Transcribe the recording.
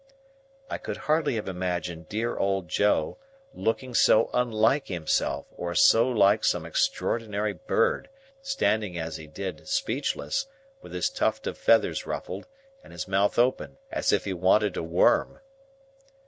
I could hardly have imagined dear old Joe looking so unlike himself or so like some extraordinary bird; standing as he did speechless, with his tuft of feathers ruffled, and his mouth open as if he wanted a worm.